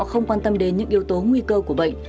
không quan tâm đến những yếu tố nguy cơ của bệnh